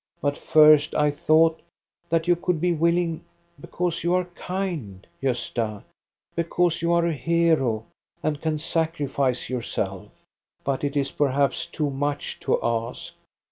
But first I thought that you could be willing, because you are kind, Gosta, because you are a hero and can sacrifice yourself But it is perhaps too much to ask.